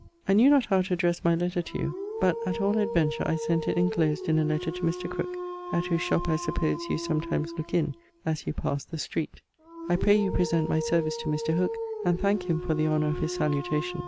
I knew not how to addresse my letter to you, but at all adventure I sent it inclosed in a letter to Mr. Crooke at whose shop I suppose you sometimes looke in as you passe the street. I pray you present my service to Mr. Hooke and thanke him for the honour of his salutation.